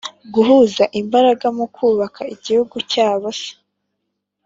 guhuza imbaraga mu kubaka igihugu cyabo se?